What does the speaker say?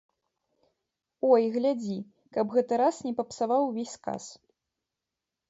Ой, глядзі, каб гэты раз не папсаваў увесь сказ!